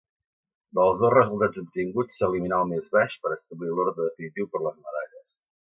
Dels dos resultats obtinguts s'eliminà el més baix per establir l'ordre definitiu per les medalles.